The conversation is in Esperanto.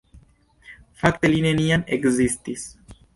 Fakte, ili neniam ekzistis.